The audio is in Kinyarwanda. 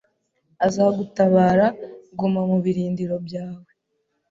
azagutabara Guma mubirindiro byawe